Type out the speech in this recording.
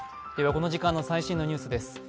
この時間の最新ニュースです。